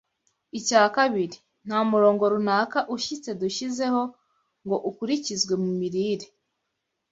icya kabiri: “Nta murongo runaka ushyitse dushyizeho ngo ukurikizwe mu mirire